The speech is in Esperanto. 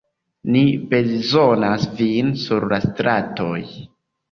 Ni bezonas vin sur la stratoj.